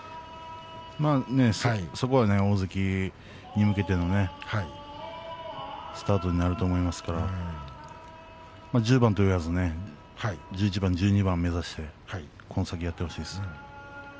そこは大関に向けてのスタートになると思いますから１０番と言わず１１番１２番を目指してこの先やってほしいですね。